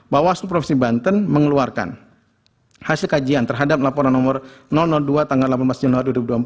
bawaslu provinsi banten mengeluarkan hasil kajian terhadap laporan nomor dua tanggal delapan belas januari dua ribu dua puluh empat